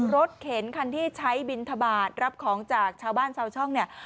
เข็นคันที่ใช้บินทบาทรับของจากชาวบ้านชาวช่องเนี่ย